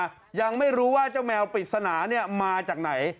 ยังไม่รู้ว่าเจ้าแมวปริศนาเนี่ยมาจากไหน